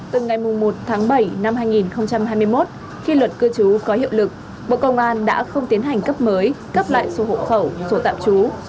từ ngày một tháng bảy năm hai nghìn hai mươi một khi luật cư trú có hiệu lực bộ công an đã không tiến hành cấp mới cấp lại số hộ khẩu sổ tạm trú